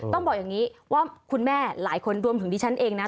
ต้องบอกอย่างนี้ว่าคุณแม่หลายคนรวมถึงดิฉันเองนะ